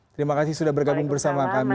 terima kasih sudah bergabung bersama kami